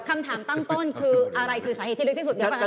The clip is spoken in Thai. คำถามตั้งต้นอะไรคือสาเหตุที่ลึกที่สุด